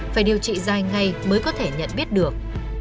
phải điều trị dài ngày mới có thể nhận biết được